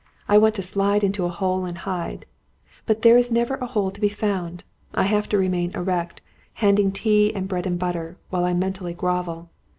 I want to slide into a hole and hide. But there is never a hole to be found. I have to remain erect, handing tea and bread and butter, while I mentally grovel.